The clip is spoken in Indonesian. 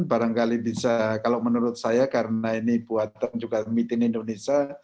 barangkali bisa kalau menurut saya karena ini buatan juga meeting indonesia